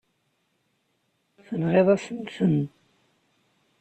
Tenɣiḍ-asent-ten.